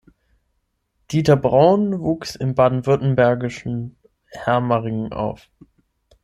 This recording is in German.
Dieter Braun wuchs im baden-württembergischen Hermaringen auf.